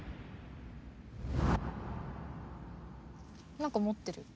何か持ってる。